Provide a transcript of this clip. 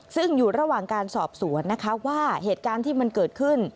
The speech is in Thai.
ซึ่งอยู่ระหว่างการสอบสวนนะคะว่าเหตุการณ์ที่มันเกิดขึ้น